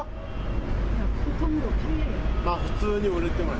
普通に売れてます。